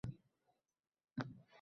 Qolaversa, imoratning nami ko‘tariladi.